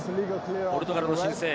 ポルトガルの新星。